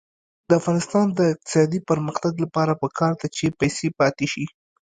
د افغانستان د اقتصادي پرمختګ لپاره پکار ده چې پیسې پاتې شي.